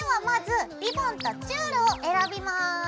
まずリボンとチュールを選びます。